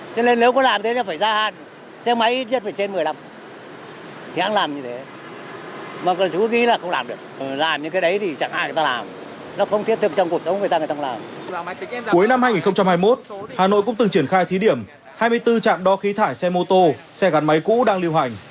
cuối năm hai nghìn hai mươi một hà nội cũng từng triển khai thí điểm hai mươi bốn trạm đo khí thải xe mô tô xe gắn máy cũ đang lưu hành